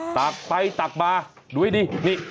ตักไปตักมาดูดินี่